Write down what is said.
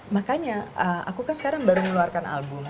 makanya aku kan sekarang baru ngeluarkan album